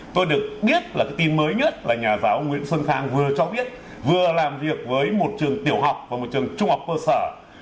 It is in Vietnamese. tôi được biết là cái tin mới nhất là nhà giáo nguyễn xuân khang vừa cho biết vừa làm việc với một trường tiểu học và một trường trung học cơ sở